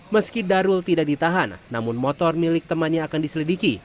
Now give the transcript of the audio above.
meski darul tidak ditahan namun motor milik temannya akan diselidiki